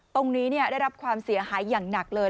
ตรงนี้ได้รับความเสียหายอย่างหนักเลย